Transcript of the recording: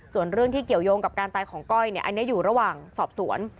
ส่วนเรื่องที่เกี่ยวยงกับการตายของก้อยเนี่ยอันนี้อยู่ระหว่างสอบสวน